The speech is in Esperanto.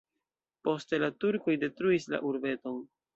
Poste la turkoj detruis la urbeton.